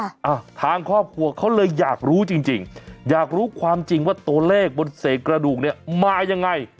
อ่าทางครอบครัวเขาเลยอยากรู้จริงจริงอยากรู้ความจริงว่าตัวเลขบนเศษกระดูกเนี่ยมายังไง